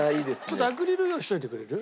ちょっとアクリル用意しといてくれる？